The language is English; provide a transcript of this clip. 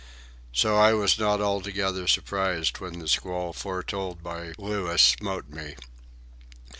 So I was not altogether surprised when the squall foretold by Louis smote me.